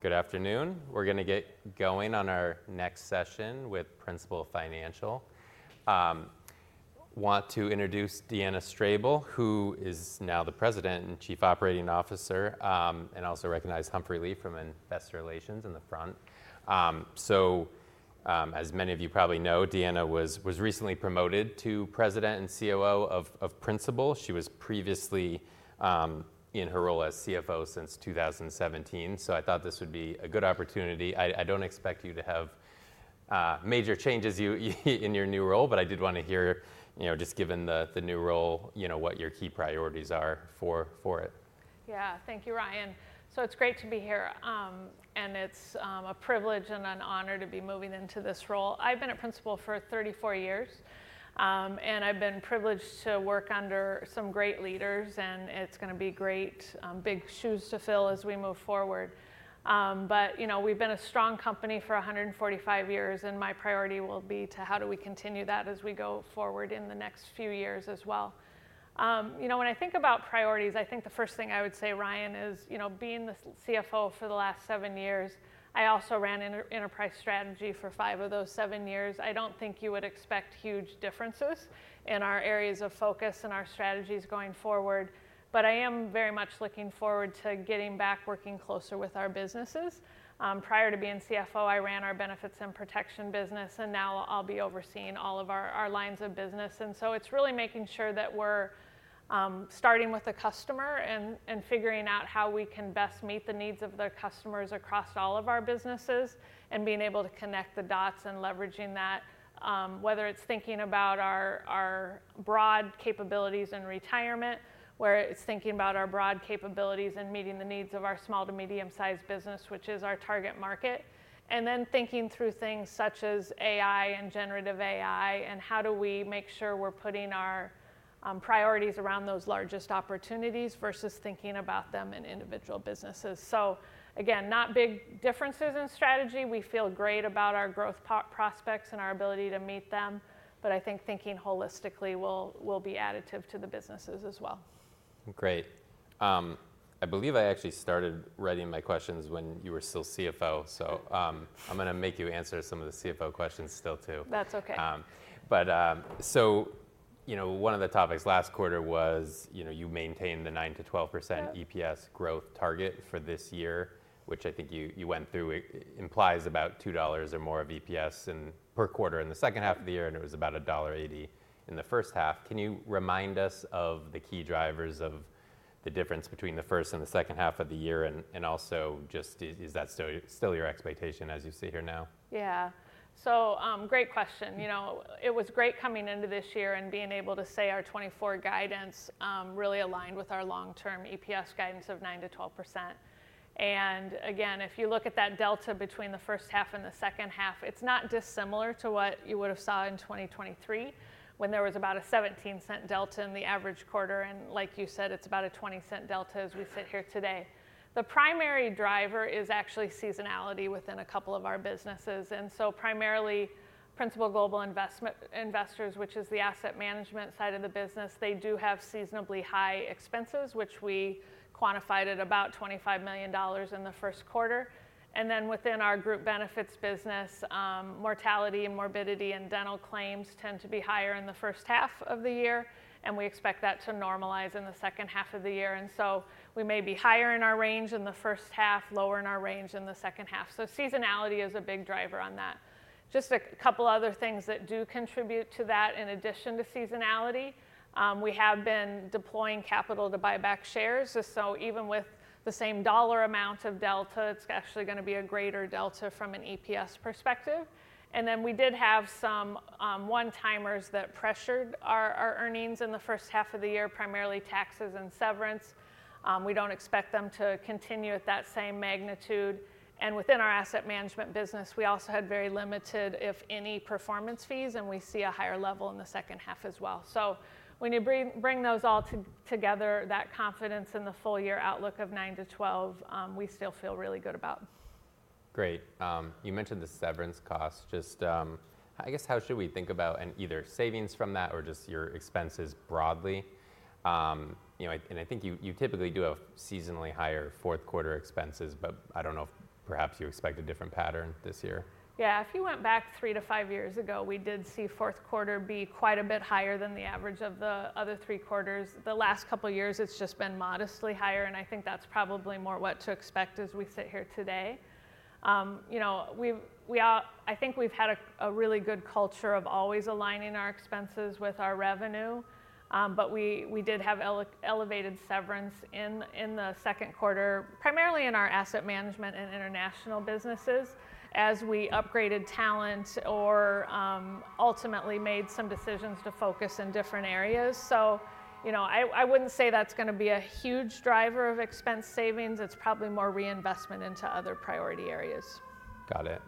Good afternoon. We're gonna get going on our next session with Principal Financial. Want to introduce Deanna Strable, who is now the President and Chief Operating Officer, and also recognize Humphrey Lee from Investor Relations in the front. So, as many of you probably know, Deanna was recently promoted to President and COO of Principal. She was previously in her role as CFO since 2017, so I thought this would be a good opportunity. I don't expect you to have major changes in your new role, but I did wanna hear, you know, just given the new role, you know, what your key priorities are for it. Yeah. Thank you, Ryan. So it's great to be here, and it's a privilege and an honor to be moving into this role. I've been at Principal for 34 years, and I've been privileged to work under some great leaders, and it's gonna be great, big shoes to fill as we move forward, but you know, we've been a strong company for a hundred and 45 years, and my priority will be how do we continue that as we go forward in the next few years as well? You know, when I think about priorities, I think the first thing I would say, Ryan, is you know, being the CFO for the last seven years, I also ran enterprise strategy for five of those seven years. I don't think you would expect huge differences in our areas of focus and our strategies going forward, but I am very much looking forward to getting back, working closer with our businesses. Prior to being CFO, I ran our Benefits and Protection business, and now I'll be overseeing all of our lines of business, and so it's really making sure that we're starting with the customer and figuring out how we can best meet the needs of the customers across all of our businesses, and being able to connect the dots and leveraging that. Whether it's thinking about our broad capabilities in retirement, whether it's thinking about our broad capabilities and meeting the needs of our small to medium-sized business, which is our target market. And then thinking through things such as AI and Generative AI, and how do we make sure we're putting our priorities around those largest opportunities versus thinking about them in individual businesses. So again, not big differences in strategy. We feel great about our growth prospects and our ability to meet them, but I think thinking holistically will be additive to the businesses as well. Great. I believe I actually started writing my questions when you were still CFO, so I'm gonna make you answer some of the CFO questions still, too. That's okay. So, you know, one of the topics last quarter was, you know, you maintained the 9% to 12%- Yeah... EPS growth target for this year, which I think you went through. It implies about $2 or more of EPS per quarter in the second half of the year, and it was about $1.80 in the first half. Can you remind us of the key drivers of the difference between the first and the second half of the year? And also, just is that still your expectation as you sit here now? Yeah. So, great question. You know, it was great coming into this year and being able to say our 2024 guidance really aligned with our long-term EPS guidance of 9% to 12%. And again, if you look at that delta between the first half and the second half, it's not dissimilar to what you would have saw in 2023, when there was about a $0.17 delta in the average quarter, and like you said, it's about a $0.20 delta as we sit here today. The primary driver is actually seasonality within a couple of our businesses, and so primarily, Principal Global Investors, which is the asset management side of the business, they do have seasonally high expenses, which we quantified at about $25 million in the first quarter. And then within our group benefits business, mortality and morbidity and dental claims tend to be higher in the first half of the year, and we expect that to normalize in the second half of the year, and so we may be higher in our range in the first half, lower in our range in the second half, so seasonality is a big driver on that. Just a couple other things that do contribute to that in addition to seasonality, we have been deploying capital to buy back shares. So even with the same dollar amount of delta, it's actually gonna be a greater delta from an EPS perspective. And then we did have some one-timers that pressured our earnings in the first half of the year, primarily taxes and severance. We don't expect them to continue at that same magnitude. Within our asset management business, we also had very limited, if any, performance fees, and we see a higher level in the second half as well. When you bring those all together, that confidence in the full year outlook of nine to twelve we still feel really good about. Great. You mentioned the severance cost. Just, I guess, how should we think about and either savings from that or just your expenses broadly? You know, and I think you typically do have seasonally higher fourth quarter expenses, but I don't know if perhaps you expect a different pattern this year. Yeah, if you went back three to five years ago, we did see fourth quarter be quite a bit higher than the average of the other three quarters. The last couple years, it's just been modestly higher, and I think that's probably more what to expect as we sit here today. You know, I think we've had a really good culture of always aligning our expenses with our revenue. But we did have elevated severance in the second quarter, primarily in our asset management and international businesses, as we upgraded talent or ultimately made some decisions to focus in different areas. So, you know, I wouldn't say that's gonna be a huge driver of expense savings. It's probably more reinvestment into other priority areas. Got it.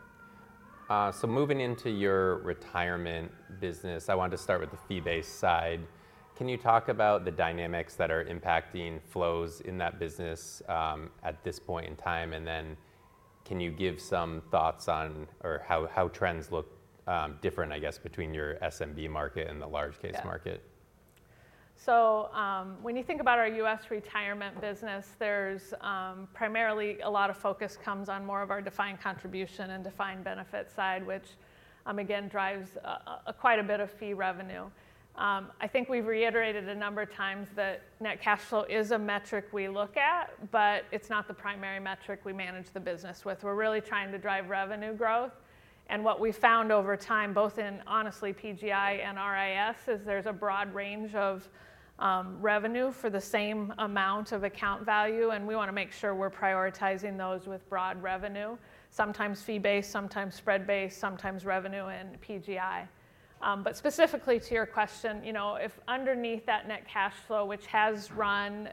So moving into your retirement business, I want to start with the fee-based side. Can you talk about the dynamics that are impacting flows in that business, at this point in time? And then can you give some thoughts on or how trends look different, I guess, between your SMB market and the large case market? ... So, when you think about our US retirement business, there's primarily a lot of focus comes on more of our defined contribution and defined benefit side, which again drives quite a bit of fee revenue. I think we've reiterated a number of times that net cash flow is a metric we look at, but it's not the primary metric we manage the business with. We're really trying to drive revenue growth, and what we found over time, both in honestly PGI and RIS, is there's a broad range of revenue for the same amount of account value, and we want to make sure we're prioritizing those with broad revenue, sometimes fee-based, sometimes spread-based, sometimes revenue and PGI. But specifically to your question, you know, if underneath that net cash flow, which has run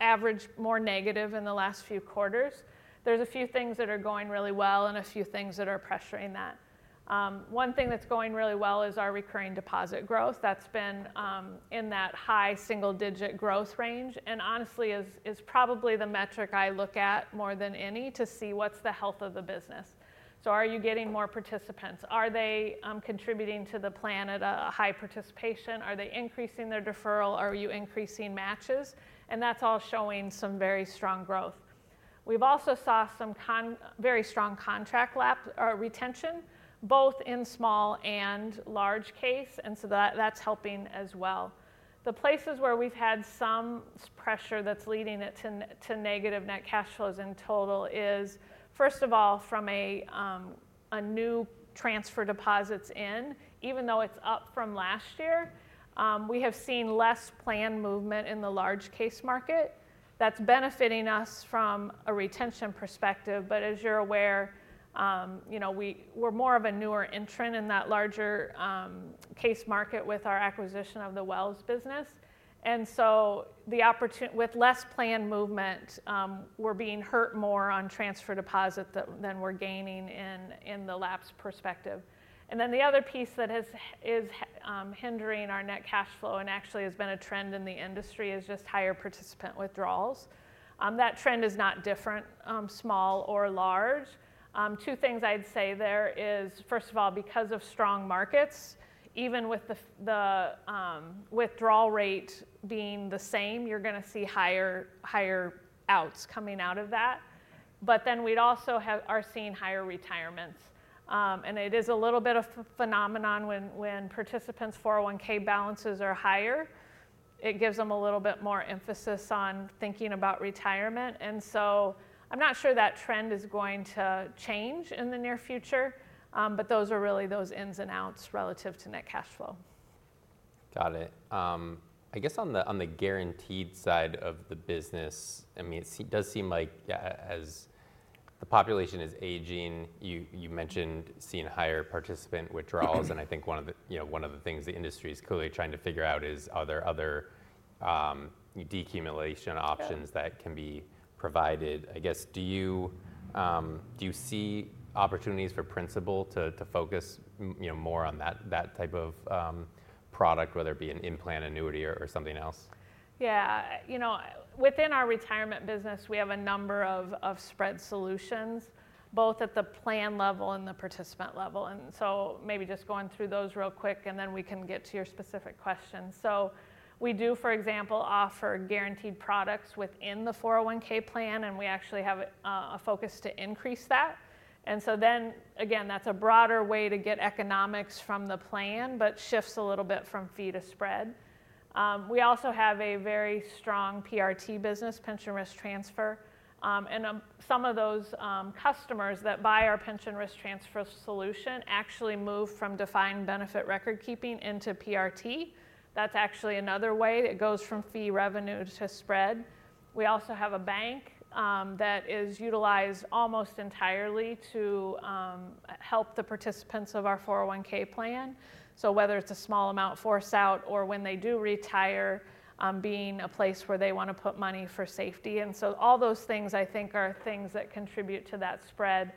average more negative in the last few quarters, there's a few things that are going really well and a few things that are pressuring that. One thing that's going really well is our recurring deposit growth. That's been in that high single-digit growth range, and honestly is probably the metric I look at more than any to see what's the health of the business. So are you getting more participants? Are they contributing to the plan at a high participation? Are they increasing their deferral? Are you increasing matches? And that's all showing some very strong growth. We've also saw some very strong contract lapse, or retention, both in small and large case, and so that's helping as well. The places where we've had some pressure that's leading it to negative net cash flows in total is, first of all, from a new transfer deposits in, even though it's up from last year, we have seen less plan movement in the large case market. That's benefiting us from a retention perspective, but as you're aware, you know, we're more of a newer entrant in that larger case market with our acquisition of the Wells business. And so with less plan movement, we're being hurt more on transfer deposit than we're gaining in the lapse perspective. And then the other piece that is hindering our net cash flow and actually has been a trend in the industry is just higher participant withdrawals. That trend is not different, small or large. Two things I'd say there is, first of all, because of strong markets, even with the withdrawal rate being the same, you're gonna see higher outs coming out of that. But then we are also seeing higher retirements. And it is a little bit of phenomenon when participants' 401 balances are higher, it gives them a little bit more emphasis on thinking about retirement. And so I'm not sure that trend is going to change in the near future, but those are really the ins and outs relative to net cash flow. Got it. I guess on the guaranteed side of the business, I mean, it does seem like, yeah, as the population is aging, you mentioned seeing higher participant withdrawals. And I think one of the, you know, one of the things the industry is clearly trying to figure out is, are there other decumulation options- Yeah... that can be provided? I guess, do you see opportunities for Principal to focus, you know, more on that type of product, whether it be an in-plan annuity or something else? Yeah. You know, within our retirement business, we have a number of spread solutions, both at the plan level and the participant level, and so maybe just going through those real quick, and then we can get to your specific question. So we do, for example, offer guaranteed products within the 401 plan, and we actually have a focus to increase that. And so then, again, that's a broader way to get economics from the plan, but shifts a little bit from fee to spread. We also have a very strong PRT business, pension risk transfer, and some of those customers that buy our pension risk transfer solution actually move from defined benefit record-keeping into PRT. That's actually another way it goes from fee revenue to spread. We also have a bank that is utilized almost entirely to help the participants of our 401 plan. So whether it's a small amount to take out or when they do retire, being a place where they want to put money for safety, and so all those things, I think, are things that contribute to that spread.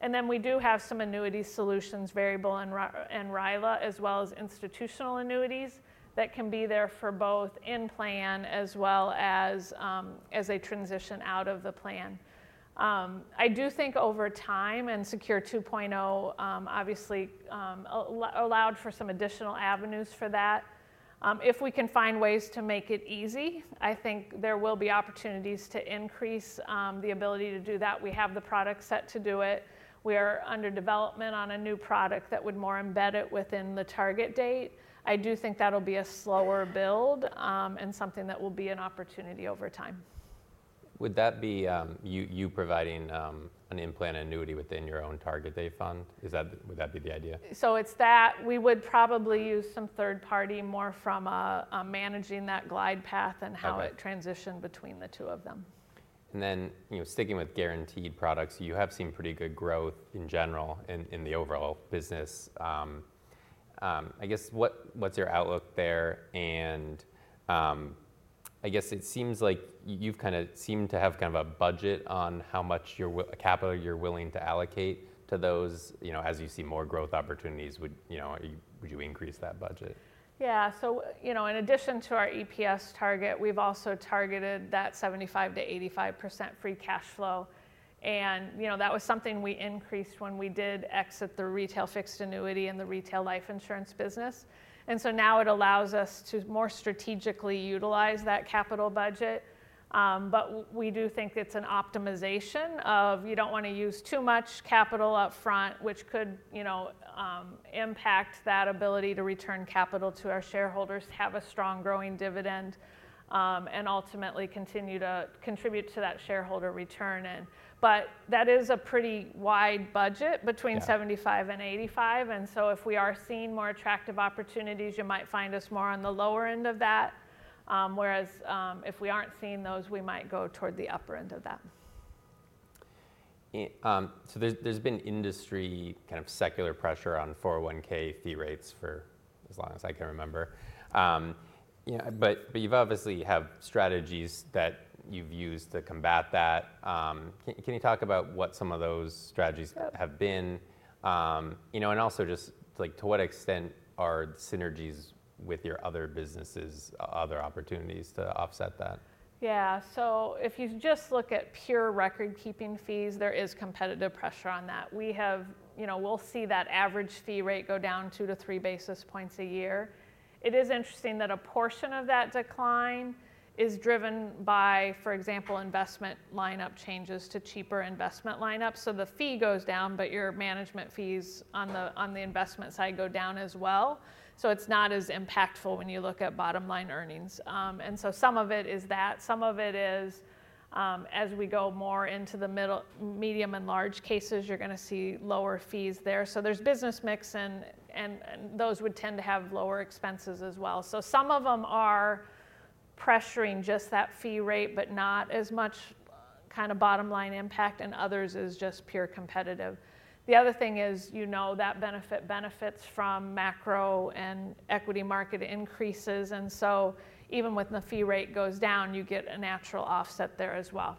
And then we do have some annuity solutions, variable and RILA, as well as institutional annuities, that can be there for both in plan as well as, as they transition out of the plan. I do think over time and Secure 2.0, obviously, allowed for some additional avenues for that. If we can find ways to make it easy, I think there will be opportunities to increase the ability to do that. We have the product set to do it. We are under development on a new product that would more embed it within the target date. I do think that'll be a slower build, and something that will be an opportunity over time. Would that be you providing an in-plan annuity within your own target date fund? Would that be the idea? So it's that. We would probably use some third party more from a managing that glide path- Okay... and how it transitioned between the two of them. And then, you know, sticking with guaranteed products, you have seen pretty good growth in general in the overall business. I guess what's your outlook there? And I guess it seems like you've kind of seemed to have kind of a budget on how much capital you're willing to allocate to those. You know, as you see more growth opportunities, you know, would you increase that budget? Yeah. So, you know, in addition to our EPS target, we've also targeted that 75% to 85% free cash flow, and, you know, that was something we increased when we did exit the retail fixed annuity and the retail life insurance business. And so now it allows us to more strategically utilize that capital budget. But we do think it's an optimization of, you don't want to use too much capital upfront, which could, you know, impact that ability to return capital to our shareholders, have a strong growing dividend, and ultimately continue to contribute to that shareholder return in. But that is a pretty wide budget- Yeah... between 75 and 85, and so if we are seeing more attractive opportunities, you might find us more on the lower end of that. Whereas, if we aren't seeing those, we might go toward the upper end of that. So there's been industry kind of secular pressure on 401 fee rates for as long as I can remember. But you've obviously have strategies that you've used to combat that. Can you talk about what some of those strategies? Yeah... have been, you know, and also just, like, to what extent are synergies with your other businesses, other opportunities to offset that? Yeah. So if you just look at pure record-keeping fees, there is competitive pressure on that. We have. You know, we'll see that average fee rate go down two to three basis points a year. It is interesting that a portion of that decline is driven by, for example, investment lineup changes to cheaper investment lineups. So the fee goes down, but your management fees on the investment side go down as well. So it's not as impactful when you look at bottom-line earnings. And so some of it is that, some of it is, as we go more into the medium and large cases, you're gonna see lower fees there. So there's business mix and those would tend to have lower expenses as well. So some of them are pressuring just that fee rate, but not as much, kind of, bottom-line impact, and others is just pure competitive. The other thing is, you know, that benefit benefits from macro and equity market increases, and so even when the fee rate goes down, you get a natural offset there as well.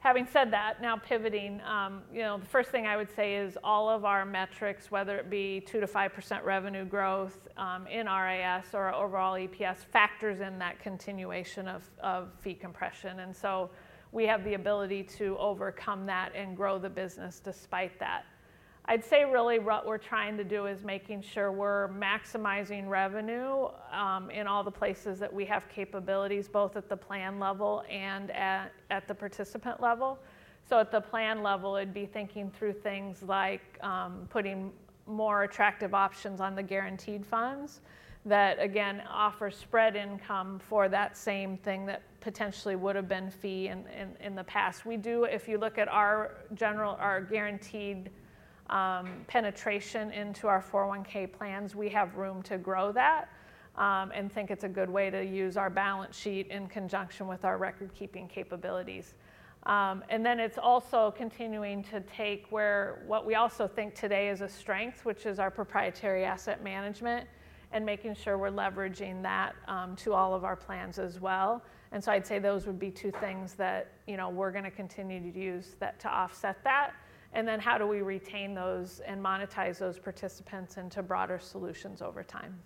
Having said that, now pivoting, you know, the first thing I would say is all of our metrics, whether it be 2% to 5% revenue growth, in RIS or overall EPS factors in that continuation of fee compression, and so we have the ability to overcome that and grow the business despite that. I'd say really what we're trying to do is making sure we're maximizing revenue, in all the places that we have capabilities, both at the plan level and at the participant level. So at the plan level, it'd be thinking through things like putting more attractive options on the guaranteed funds that, again, offer spread income for that same thing that potentially would've been fee in the past. If you look at our guaranteed penetration into our 401 plans, we have room to grow that, and think it's a good way to use our balance sheet in conjunction with our record-keeping capabilities, and then it's also continuing to take what we also think today is a strength, which is our proprietary asset management, and making sure we're leveraging that to all of our plans as well. And so I'd say those would be two things that, you know, we're gonna continue to use that to offset that, and then how do we retain those and monetize those participants into broader solutions over time?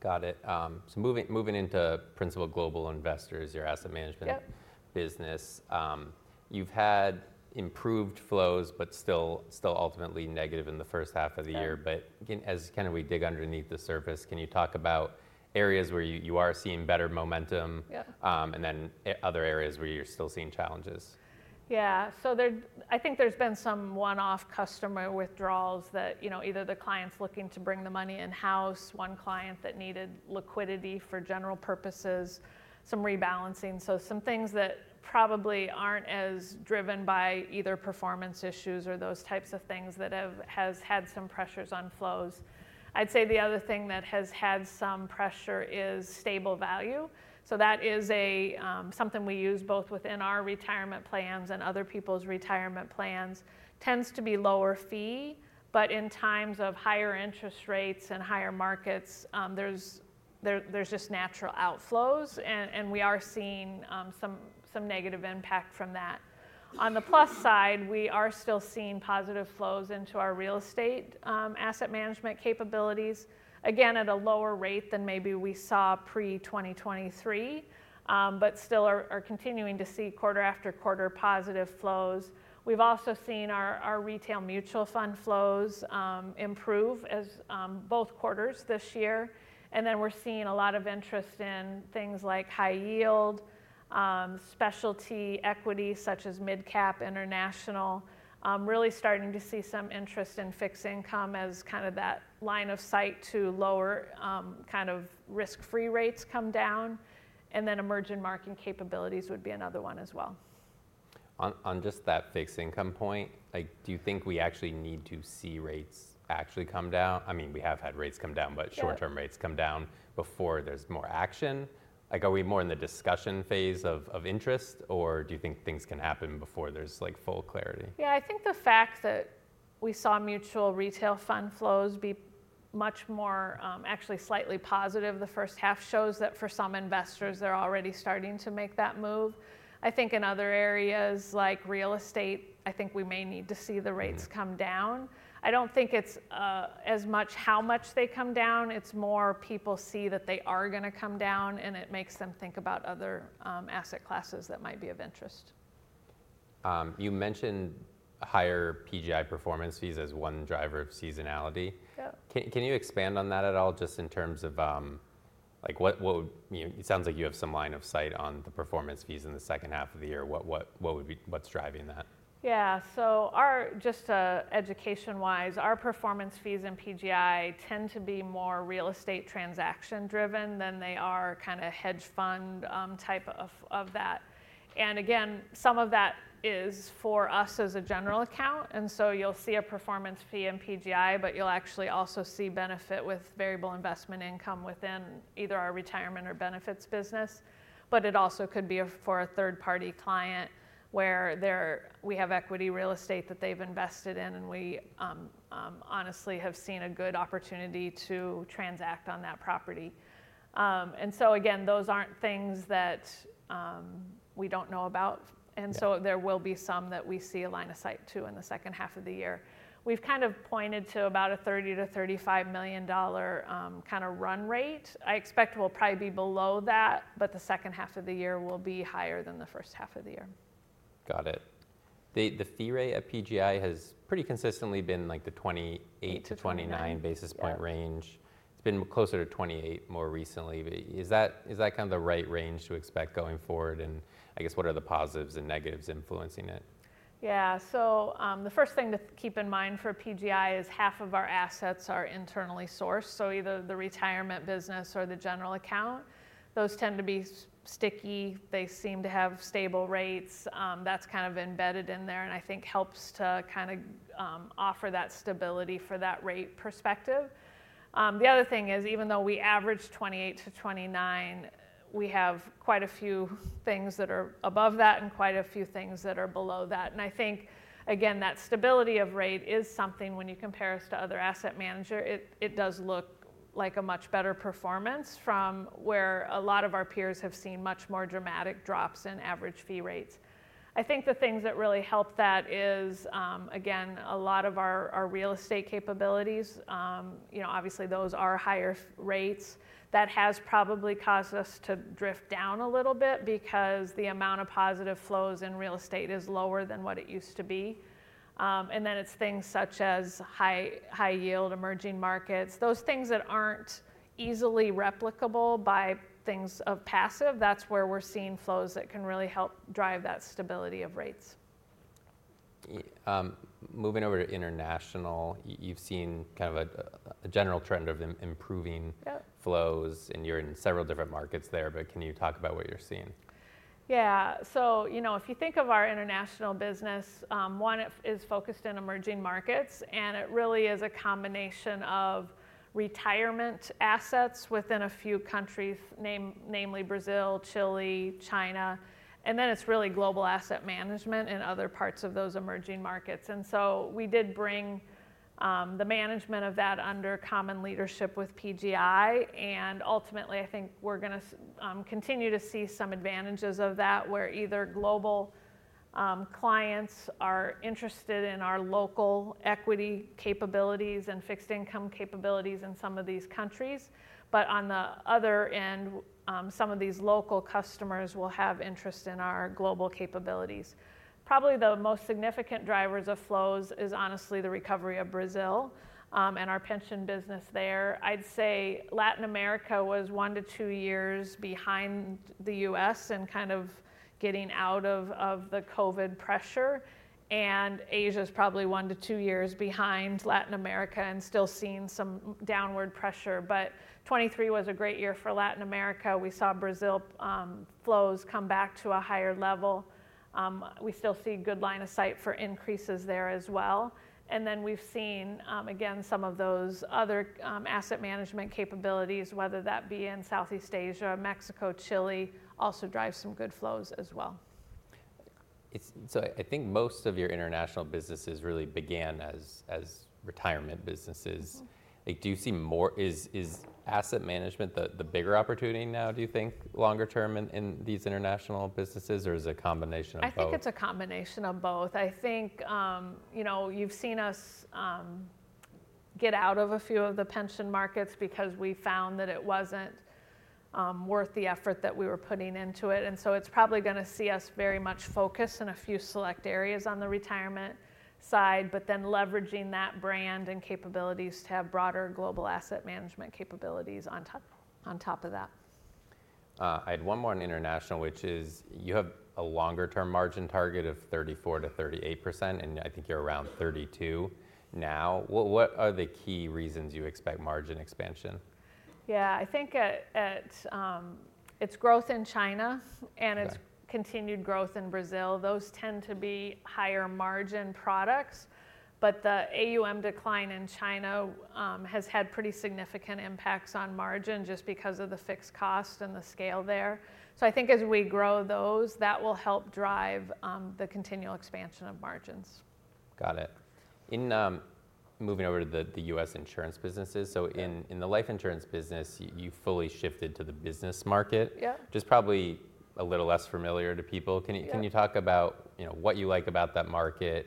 Got it. So moving into Principal Global Investors, your asset management- Yep... business. You've had improved flows, but still ultimately negative in the first half of the year. Right. But again, as kind of we dig underneath the surface, can you talk about areas where you are seeing better momentum? Yeah. And then in other areas where you're still seeing challenges. Yeah. So, I think there's been some one-off customer withdrawals that, you know, either the client's looking to bring the money in-house, one client that needed liquidity for general purposes, some rebalancing, so some things that probably aren't as driven by either performance issues or those types of things that has had some pressures on flows. I'd say the other thing that has had some pressure is Stable Value, so that is a something we use both within our retirement plans and other people's retirement plans. Tends to be lower fee, but in times of higher interest rates and higher markets, there's just natural outflows and we are seeing some negative impact from that. On the plus side, we are still seeing positive flows into our real estate asset management capabilities. Again, at a lower rate than maybe we saw pre-2023, but still are continuing to see quarter after quarter positive flows. We've also seen our retail mutual fund flows improve as both quarters this year, and then we're seeing a lot of interest in things like high yield, specialty equity, such as midcap international. Really starting to see some interest in fixed income as kind of that line of sight to lower kind of risk-free rates come down, and then emerging markets capabilities would be another one as well. On just that fixed income point, like, do you think we actually need to see rates actually come down? I mean, we have had rates come down- Yeah... but short-term rates come down before there's more action. Like, are we more in the discussion phase of interest, or do you think things can happen before there's, like, full clarity? Yeah, I think the fact that we saw mutual retail fund flows much more actually slightly positive. The first half shows that for some investors, they're already starting to make that move. I think in other areas, like real estate, I think we may need to see the rates come down. Mm-hmm. I don't think it's as much how much they come down, it's more people see that they are gonna come down, and it makes them think about other asset classes that might be of interest. You mentioned higher PGI performance fees as one driver of seasonality. Yeah. Can you expand on that at all, just in terms of, like, what would-- It sounds like you have some line of sight on the performance fees in the second half of the year. What would be-- what's driving that? Yeah. So our, just, education-wise, our performance fees in PGI tend to be more real estate transaction-driven than they are kinda hedge fund type of that. And again, some of that is for us as a general account, and so you'll see a performance fee in PGI, but you'll actually also see benefit with variable investment income within either our retirement or benefits business. But it also could be for a third-party client, where we have equity real estate that they've invested in, and we honestly have seen a good opportunity to transact on that property. And so again, those aren't things that we don't know about. Yeah. And so there will be some that we see a line of sight to in the second half of the year. We've kind of pointed to about a $30 to 35 million, kinda run rate. I expect we'll probably be below that, but the second half of the year will be higher than the first half of the year. Got it. The fee rate at PGI has pretty consistently been, like, the 28 8 to 29... to 29 basis points range. Yeah. It's been closer to 28 more recently, but is that, is that kinda the right range to expect going forward? And I guess what are the positives and negatives influencing it? Yeah. So, the first thing to keep in mind for PGI is half of our assets are internally sourced, so either the retirement business or the general account. Those tend to be sticky. They seem to have stable rates. That's kind of embedded in there, and I think helps to kinda offer that stability for that rate perspective. The other thing is, even though we average 28 to 29 we have quite a few things that are above that and quite a few things that are below that, and I think, again, that stability of rate is something when you compare us to other asset manager, it does look like a much better performance from where a lot of our peers have seen much more dramatic drops in average fee rates. I think the things that really help that is, again, a lot of our real estate capabilities. You know, obviously, those are higher fee rates. That has probably caused us to drift down a little bit because the amount of positive flows in real estate is lower than what it used to be. And then it's things such as high-yield emerging markets. Those things that aren't easily replicable by passive things, that's where we're seeing flows that can really help drive that stability of rates. Moving over to international, you've seen kind of a general trend of improving- Yeah... flows, and you're in several different markets there, but can you talk about what you're seeing? Yeah. So, you know, if you think of our international business, one, it is focused in emerging markets, and it really is a combination of retirement assets within a few countries, namely Brazil, Chile, China, and then it's really global asset management in other parts of those emerging markets. And so we did bring the management of that under common leadership with PGI, and ultimately, I think we're gonna continue to see some advantages of that, where either global clients are interested in our local equity capabilities and fixed income capabilities in some of these countries. But on the other end, some of these local customers will have interest in our global capabilities. Probably, the most significant drivers of flows is honestly the recovery of Brazil and our pension business there. I'd say Latin America was one to two years behind the US in kind of getting out of the COVID pressure, and Asia's probably one to two years behind Latin America and still seeing some downward pressure, but 2023 was a great year for Latin America. We saw Brazil flows come back to a higher level. We still see good line of sight for increases there as well, and then we've seen again some of those other asset management capabilities, whether that be in Southeast Asia, Mexico, Chile, also drive some good flows as well. So I think most of your international businesses really began as retirement businesses. Mm-hmm. Like, do you see more... Is asset management the bigger opportunity now, do you think, longer term in these international businesses, or is it a combination of both? I think it's a combination of both. I think, you know, you've seen us get out of a few of the pension markets because we found that it wasn't worth the effort that we were putting into it. And so it's probably gonna see us very much focused in a few select areas on the retirement side, but then leveraging that brand and capabilities to have broader global asset management capabilities on top of that. I had one more on international, which is: You have a longer-term margin target of 34% to 38%, and I think you're around 32% now. What are the key reasons you expect margin expansion? Yeah. I think at its growth in China- Right... and it's continued growth in Brazil. Those tend to be higher-margin products, but the AUM decline in China has had pretty significant impacts on margin, just because of the fixed cost and the scale there. So I think as we grow those, that will help drive the continual expansion of margins.... Got it. In moving over to the US insurance businesses. So in the life insurance business, you fully shifted to the business market? Yeah. Which is probably a little less familiar to people. Yeah. Can you talk about, you know, what you like about that market?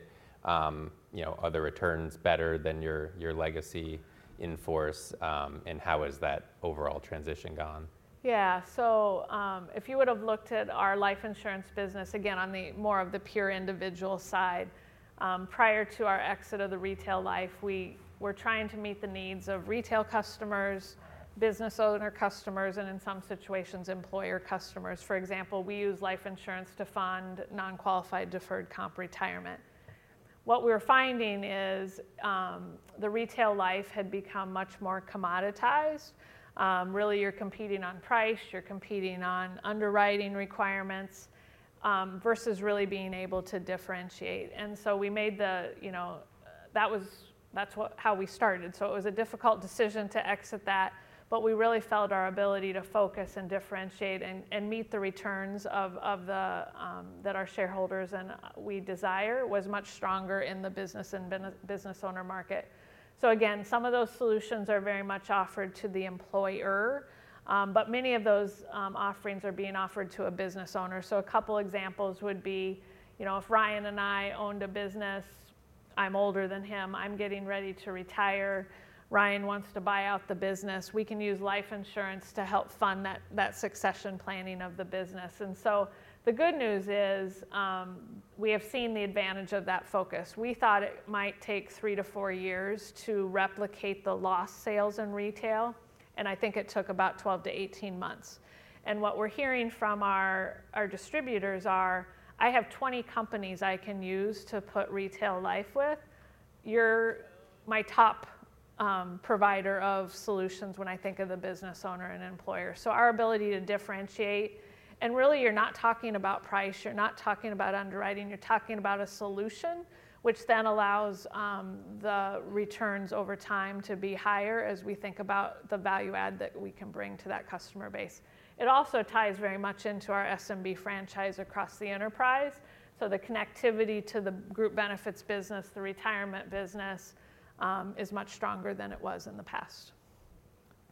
You know, are the returns better than your legacy in force? And how has that overall transition gone? Yeah. So, if you would've looked at our life insurance business, again, on the more of the pure individual side, prior to our exit of the retail life, we were trying to meet the needs of retail customers, business owner customers, and in some situations, employer customers. For example, we use life insurance to fund non-qualified, deferred comp retirement. What we were finding is, the retail life had become much more commoditized. Really, you're competing on price, you're competing on underwriting requirements, versus really being able to differentiate. And so we made the... You know, that was- that's what-- how we started. So it was a difficult decision to exit that, but we really felt our ability to focus and differentiate and meet the returns that our shareholders and we desire, was much stronger in the business and business owner market. So again, some of those solutions are very much offered to the employer, but many of those offerings are being offered to a business owner. So a couple examples would be, you know, if Ryan and I owned a business, I'm older than him, I'm getting ready to retire, Ryan wants to buy out the business, we can use life insurance to help fund that succession planning of the business. And so the good news is, we have seen the advantage of that focus. We thought it might take three to four years to replicate the lost sales in retail, and I think it took about 12 to 18 months. And what we're hearing from our distributors are: "I have 20 companies I can use to put retail life with. You're my top provider of solutions when I think of the business owner and employer." So our ability to differentiate, and really, you're not talking about price, you're not talking about underwriting, you're talking about a solution, which then allows the returns over time to be higher as we think about the value add that we can bring to that customer base. It also ties very much into our SMB franchise across the enterprise, so the connectivity to the group benefits business, the retirement business, is much stronger than it was in the past.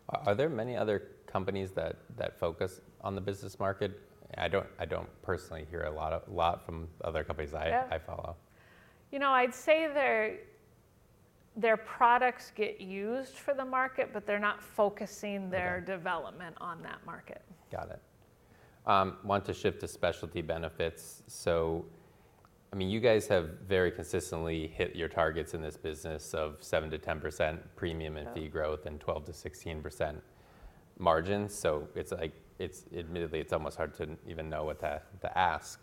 Are there many other companies that focus on the business market? I don't personally hear a lot from other companies I- Yeah... I follow. You know, I'd say their products get used for the market, but they're not focusing- Okay... their development on that market. Got it. Want to shift to Specialty benefits. So, I mean, you guys have very consistently hit your targets in this business of 7% to 10% premium- Yeah... and fee growth and 12% to 16% margins. So it's like, it's admittedly, it's almost hard to even know what to ask.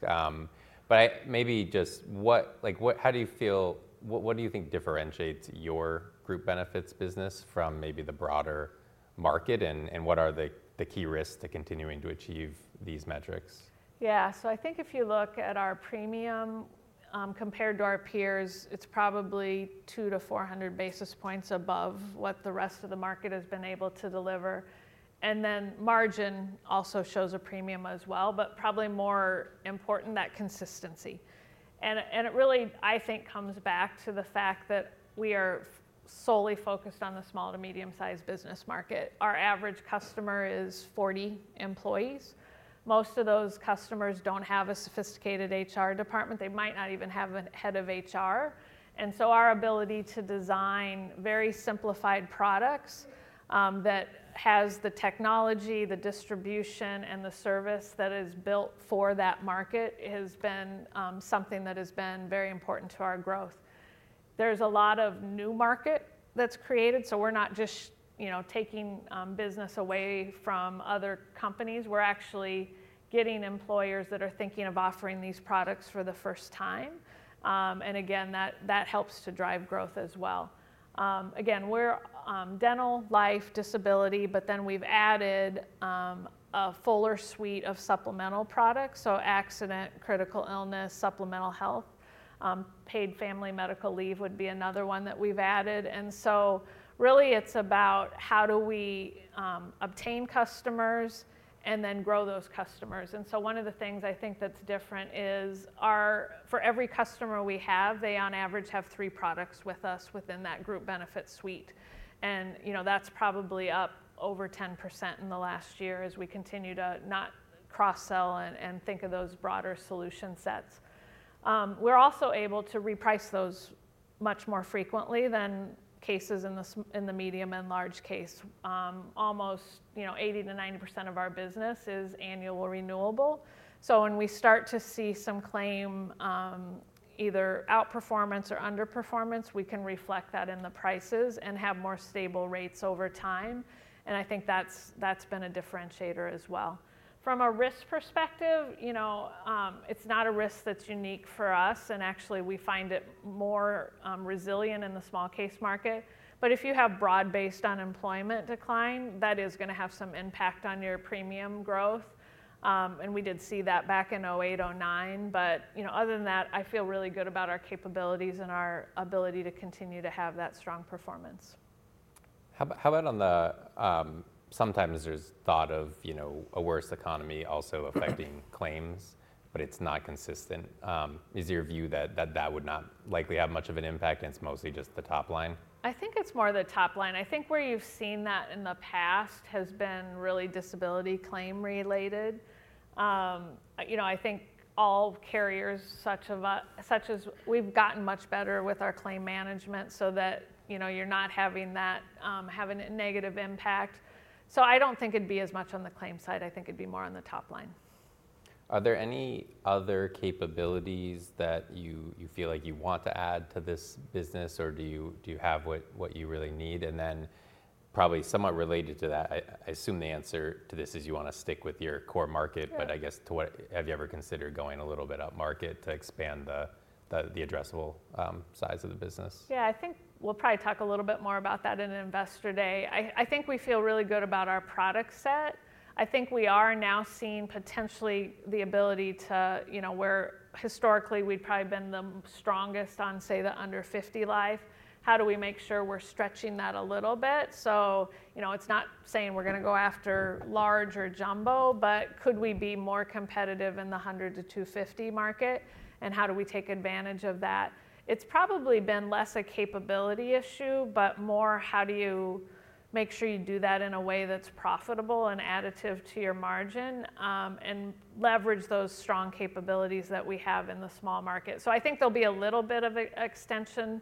But maybe just what... Like, what-- how do you feel-- what do you think differentiates your group benefits business from maybe the broader market, and what are the key risks to continuing to achieve these metrics? Yeah. So I think if you look at our premium, compared to our peers, it's probably 200 to 400 basis points above what the rest of the market has been able to deliver. And then margin also shows a premium as well, but probably more important, that consistency. And it really, I think, comes back to the fact that we are solely focused on the small to medium-sized business market. Our average customer is forty employees. Most of those customers don't have a sophisticated HR department. They might not even have a head of HR. And so our ability to design very simplified products, that has the technology, the distribution, and the service that is built for that market, has been, something that has been very important to our growth. There's a lot of new market that's created, so we're not just, you know, taking business away from other companies. We're actually getting employers that are thinking of offering these products for the first time. And again, that helps to drive growth as well. Again, we're dental, life, disability, but then we've added a fuller suite of supplemental products, so accident, critical illness, supplemental health. Paid family medical leave would be another one that we've added. And so really, it's about how do we obtain customers and then grow those customers. And so one of the things I think that's different is, for every customer we have, they on average have three products with us within that group benefit suite. You know, that's probably up over 10% in the last year, as we continue to not cross-sell and think of those broader solution sets. We're also able to reprice those much more frequently than cases in the small, medium and large case. Almost, you know, 80% to 90% of our business is annual renewable. So when we start to see some claim either outperformance or underperformance, we can reflect that in the prices and have more stable rates over time, and I think that's been a differentiator as well. From a risk perspective, you know, it's not a risk that's unique for us, and actually, we find it more resilient in the small case market, but if you have broad-based unemployment decline, that is gonna have some impact on your premium growth. And we did see that back in 2008, 2009. But, you know, other than that, I feel really good about our capabilities and our ability to continue to have that strong performance.... How about, how about on the, sometimes there's thought of, you know, a worse economy also affecting claims, but it's not consistent. Is your view that that would not likely have much of an impact, and it's mostly just the top line? I think it's more the top line. I think where you've seen that in the past has been really disability claim related. You know, I think all carriers, such as us, have gotten much better with our claim management so that, you know, you're not having a negative impact. So I don't think it'd be as much on the claim side. I think it'd be more on the top line. Are there any other capabilities that you feel like you want to add to this business, or do you have what you really need? And then probably somewhat related to that, I assume the answer to this is you want to stick with your core market- Yeah. - but I guess to what, have you ever considered going a little bit upmarket to expand the addressable size of the business? Yeah, I think we'll probably talk a little bit more about that in Investor Day. I think we feel really good about our product set. I think we are now seeing potentially the ability to, you know, where historically we've probably been the strongest on, say, the under 50 life. How do we make sure we're stretching that a little bit? So, you know, it's not saying we're gonna go after large or jumbo, but could we be more competitive in the 100 to 250 market, and how do we take advantage of that? It's probably been less a capability issue, but more how do you make sure you do that in a way that's profitable and additive to your margin, and leverage those strong capabilities that we have in the small market. I think there'll be a little bit of extension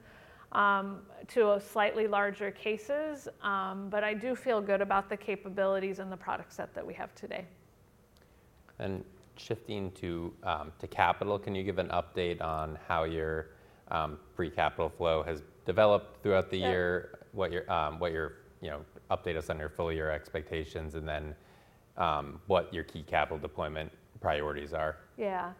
to a slightly larger cases, but I do feel good about the capabilities and the product set that we have today. And shifting to capital, can you give an update on how your free cash flow has developed throughout the year? Sure. You know, update us on your full year expectations and then, what your key capital deployment priorities are. Yeah.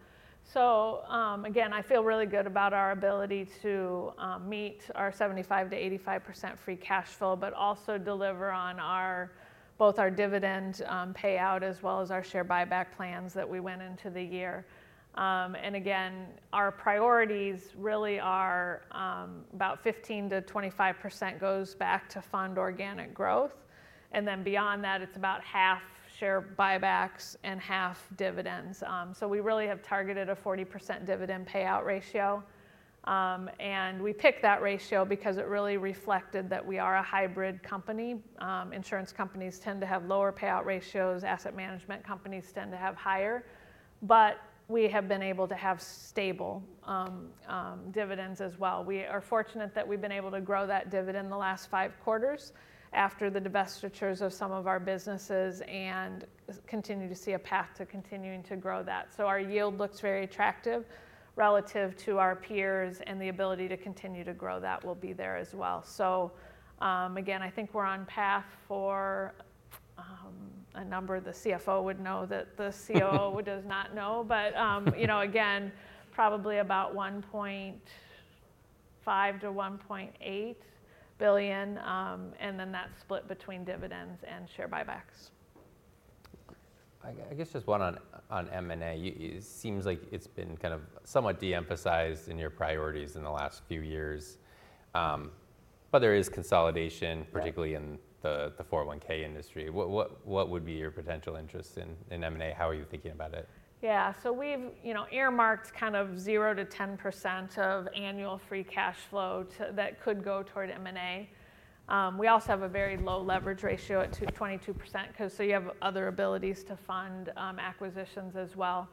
So again, I feel really good about our ability to meet our 75% to 85% free cash flow, but also deliver on both our dividend payout as well as our share buyback plans that we went into the year. Again, our priorities really are about 15% to 25% goes back to fund organic growth, and then beyond that, it's about half share buybacks and half dividends. We really have targeted a 40% dividend payout ratio. We picked that ratio because it really reflected that we are a hybrid company. Insurance companies tend to have lower payout ratios. Asset management companies tend to have higher, but we have been able to have stable dividends as well. We are fortunate that we've been able to grow that dividend the last five quarters after the divestitures of some of our businesses, and continue to see a path to continuing to grow that, so our yield looks very attractive relative to our peers, and the ability to continue to grow that will be there as well, so again, I think we're on path for a number the CFO would know, that the COO does not know. But you know, again, probably about $1.5 to $1.8 billion, and then that's split between dividends and share buybacks. I guess just one on M and A. You, it seems like it's been kind of somewhat de-emphasized in your priorities in the last few years. But there is consolidation- Yeah particularly in the 401(k) industry. What would be your potential interest in M&A? How are you thinking about it? Yeah. So we've, you know, earmarked kind of 0 to 10% of annual free cash flow to... That could go toward M and A. We also have a very low leverage ratio at 2 to 22%, so you have other abilities to fund acquisitions as well.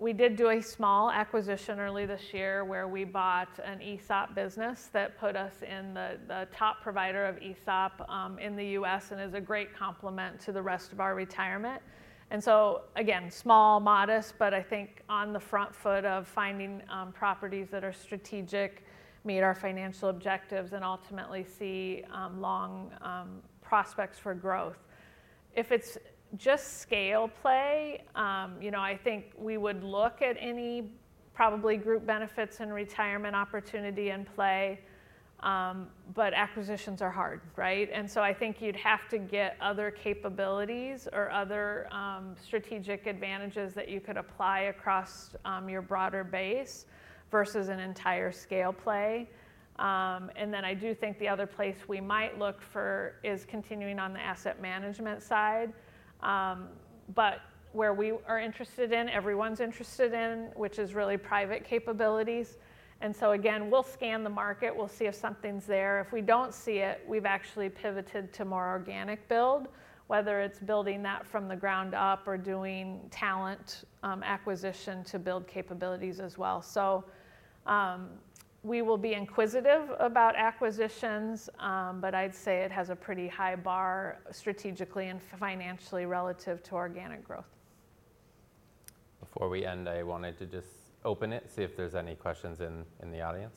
We did do a small acquisition early this year, where we bought an ESOP business that put us in the top provider of ESOP in the US, and is a great complement to the rest of our retirement. And so again, small, modest, but I think on the front foot of finding properties that are strategic, meet our financial objectives, and ultimately see long prospects for growth. If it's just scale play, you know, I think we would look at any probably group benefits and retirement opportunity in play. But acquisitions are hard, right? And so I think you'd have to get other capabilities or other, strategic advantages that you could apply across, your broader base versus an entire scale play. And then I do think the other place we might look for is continuing on the asset management side. But where we are interested in, everyone's interested in, which is really private capabilities. And so again, we'll scan the market, we'll see if something's there. If we don't see it, we've actually pivoted to more organic build, whether it's building that from the ground up or doing talent, acquisition to build capabilities as well. So, we will be inquisitive about acquisitions, but I'd say it has a pretty high bar strategically and financially relative to organic growth. Before we end, I wanted to just open it, see if there's any questions in the audience.